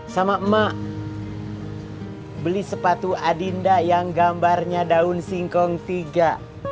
sama emak beli sepatu adinda yang gambarnya daun singkong tiga